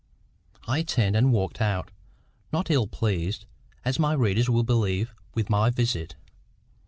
I turned and walked out, not ill pleased, as my readers will believe, with my visit.